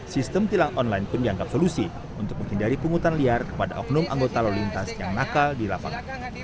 sistem tilang online pun dianggap solusi untuk menghindari pungutan liar kepada oknum anggota lalu lintas yang nakal di lapangan